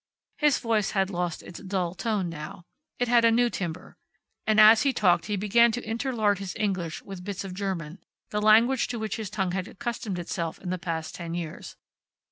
His voice had lost its dull tone now. It had in it a new timbre. And as he talked he began to interlard his English with bits of German, the language to which his tongue had accustomed itself in the past ten years.